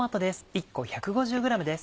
１個１５０ｇです。